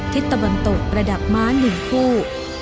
ทิศตบลตุกระดับม้า๑คู่